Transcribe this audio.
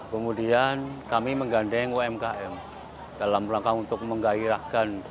kemudian kami menggandeng umkm dalam rangka untuk menggairahkan